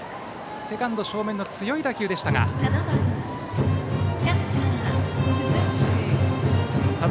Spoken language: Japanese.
セカンド正面の強い打球でした。